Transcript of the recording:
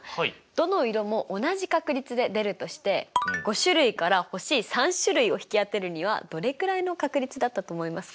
どの色も同じ確率で出るとして５種類から欲しい３種類を引き当てるにはどれくらいの確率だったと思いますか？